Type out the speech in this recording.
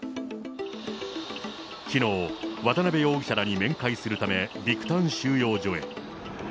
きのう、渡辺容疑者らに面会するため、ビクタン収容所へ。